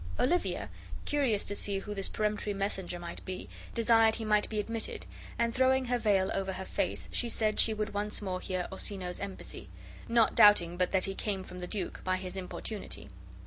Olivia, curious to see who this peremptory messenger might be, desired be might be admitted, and, throwing her veil over her face, she said she would once more hear Orsino's embassy, not doubting but that he came from the duke, by his importunity.